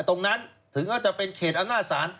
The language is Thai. ตรงนั้นถึงก็จะเป็นเขตอำนาจศาล